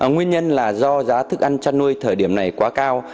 nguyên nhân là do giá thức ăn chăn nuôi thời điểm này quá cao